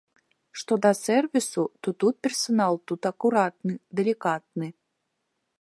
Што да сэрвісу, то тут персанал тут акуратны, далікатны.